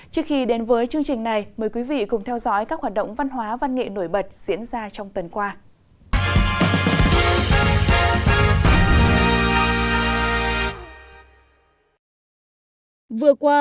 trước khi đến với chương trình này mời quý vị cùng theo dõi các hoạt động văn hóa văn nghệ nổi bật diễn ra trong tuần qua